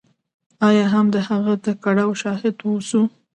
یا هم د هغه د کړاو شاهد واوسو.